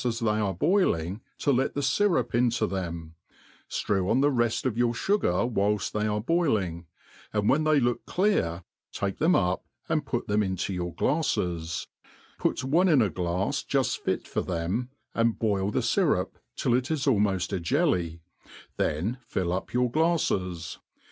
as they are boiling to let the fyrup into them, drew on the red of your fugar whild they are boiling, and when they look clear take them up and put them in your glades, put one in a glafs jud fit for them, and boil the fyrup till it is almod a jelly, then fill up your glades.